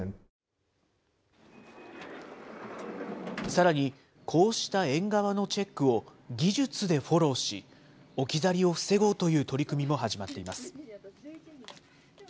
さらに、こうした園側のチェックを技術でフォローし、置き去りを防ごうという取り組みも始まっています。